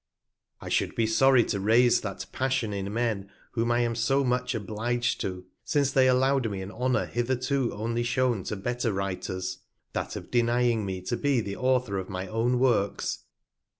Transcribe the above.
I should be sorry to raise that Passion in Men whom $ I am so much obliged to, since they allowed me an Honour hitherto only shown to better Writers: That of denying me to be the Author of my own Works.